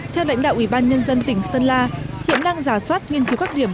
theo lãnh đạo ủy ban nhân dân tỉnh sơn la hiện đang giả soát nghiên cứu các điểm